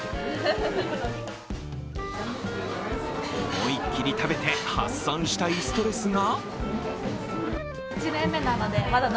思いっきり食べて、発散したいストレスが？